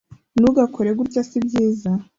Ntugakore gutya sibyiza